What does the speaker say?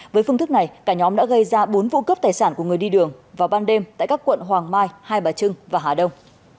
với phương thức này cả nhóm đã gây ra bốn vụ cướp tài sản của người đi đường vào ban đêm tại các quận hoàng mai hai bà trưng và hà đông